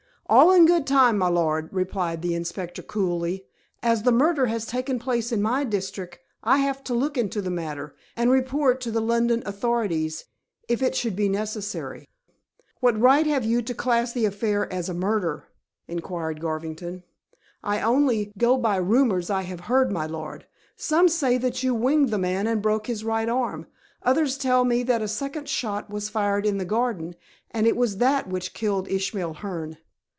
"All in good time, my lord," replied the inspector coolly. "As the murder has taken place in my district I have to look into the matter, and report to the London authorities, if it should be necessary." "What right have you to class the affair as a murder?" inquired Garvington. "I only go by the rumors I have heard, my lord. Some say that you winged the man and broke his right arm. Others tell me that a second shot was fired in the garden, and it was that which killed Ishmael Hearne."